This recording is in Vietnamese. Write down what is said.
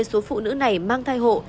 số phụ nữ này mang thai hộ